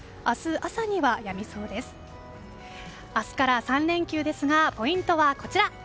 明日から３連休ですがポイントはこちら！